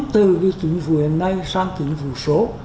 từ kinh phủ hiện nay sang kinh phủ số